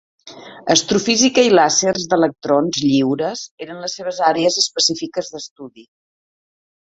Astrofísica i làsers d'electrons lliures eren les seves àrees específiques d'estudi.